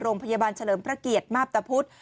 โรงพยาบาลเฉลิมพระเกียรติมาพตะพุธ